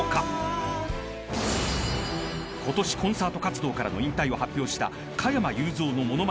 ［今年コンサート活動からの引退を発表した］